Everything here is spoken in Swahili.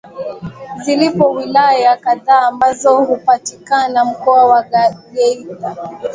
Zipo wilaya kadhaa ambazo hupatikana mkoa wa Geita